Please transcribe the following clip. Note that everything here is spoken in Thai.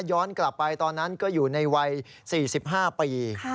ย้อนกลับไปตอนนั้นก็อยู่ในวัย๔๕ปี